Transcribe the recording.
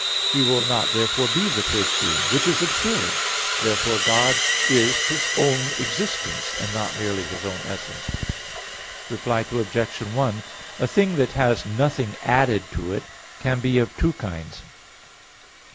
He will not therefore be the first being which is absurd. Therefore God is His own existence, and not merely His own essence. Reply Obj. 1: A thing that has nothing added to it can be of two kinds.